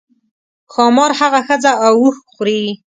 ښامار هغه ښځه او اوښ خوري.